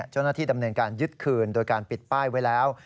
เจ้าหน้าที่ดำเนินการยึดคืนโดยการปิดป้ายไว้แล้ว